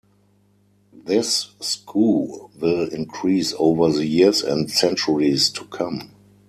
This skew will increase over the years and centuries to come.